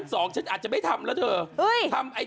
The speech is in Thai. ซีซั่น๒ฉันอาจจะไม่ทำแล้วเถอะ